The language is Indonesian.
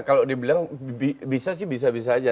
kalau dibilang bisa sih bisa bisa aja